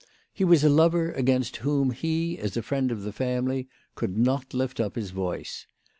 He was a lover against whom he, as a friend of the family, could not lift up his voice.